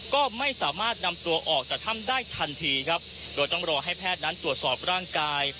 ก็ไม่สามารถนำตัวออกจากถ้ำได้ทันทีครับโดยต้องรอให้แพทย์นั้นตรวจสอบร่างกาย